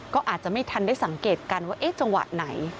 ก็อาจจะไม่ทันได้สังเกตกันว่าจังหวะไหน